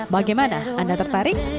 bagaimana anda tertarik